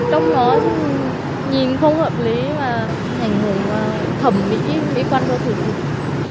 trong đó thì nhìn không hợp lý và ảnh hưởng thẩm mỹ mỹ quan của thủ tục